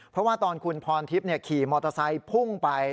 เพราะว่าตอนคุณพรทิพย์ขี่มอเตอร์ไซค์พุ่งไป